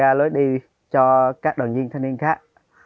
ra lối đi cho các đoàn viên thanh niên khác